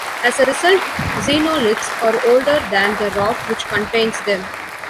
As a result, xenoliths are older than the rock which contains them.